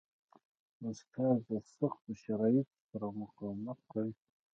استاد د سختو شرایطو سره مقاومت کوي.